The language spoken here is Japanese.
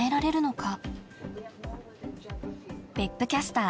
別府キャスター